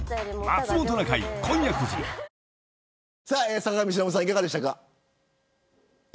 坂上さん、いかがでしたか。